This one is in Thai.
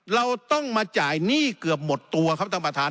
เราต้องมาจ่ายหนี้เกือบหมดตัวครับท่านประธาน